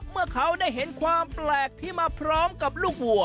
เมื่อเขาได้เห็นความแปลกที่มาพร้อมกับลูกวัว